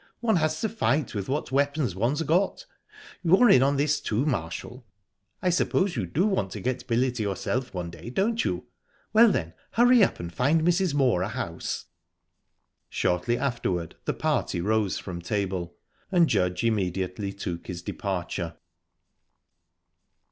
One has to fight with what weapons one's got. You're in on this too, Marshall. I suppose you do want to get Billy to yourself one day, don't you? Well, then hurry up and find Mrs. Moor a house." Shortly afterward the party rose from table, and Judge immediately took his departure.